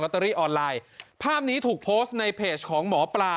เตอรี่ออนไลน์ภาพนี้ถูกโพสต์ในเพจของหมอปลา